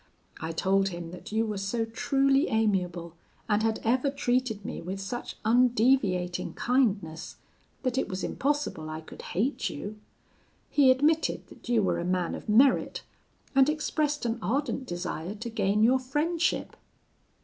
I told him that you were so truly amiable, and had ever treated me with such undeviating kindness, that it was impossible I could hate you. He admitted that you were a man of merit, and expressed an ardent desire to gain your friendship.